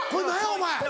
お前。